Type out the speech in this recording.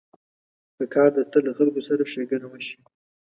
پکار ده تل له خلکو سره ښېګڼه وشي.